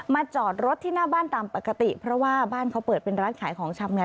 จอดรถที่หน้าบ้านตามปกติเพราะว่าบ้านเขาเปิดเป็นร้านขายของชำไง